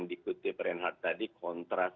dikutip renhardt tadi kontras